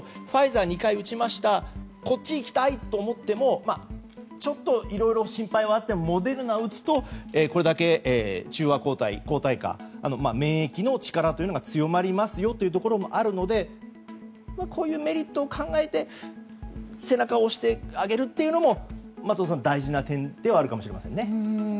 ファイザーにいきたいと思ってもいろいろ心配はあってもモデルナを打つとこれだけ中和抗体、抗体価免疫の力が強まりますよというところもあるのでこういうメリットを考えて背中を押してあげるのは大事な点でもあるかもしれませんね。